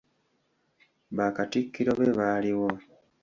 Bakatikkiro be baaliwo.